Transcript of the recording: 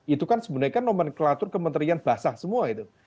itu kan sebenarnya nomenklatur kementerian basah semua itu